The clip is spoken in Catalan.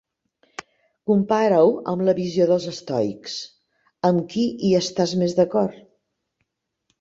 Compara-ho amb la visió dels estoics. Amb qui hi estàs més d'acord?